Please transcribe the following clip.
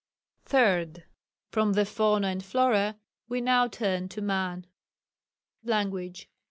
Third. From the fauna and flora we now turn to man. _Language.